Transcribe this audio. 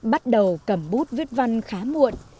bắt đầu cầm bút viết văn khá muộn